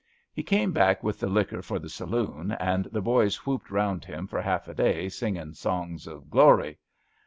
He came back with the liquor for the saloon, and the boys whooped round him for half a day, singing songs of glory.